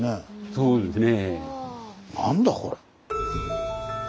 そうですね。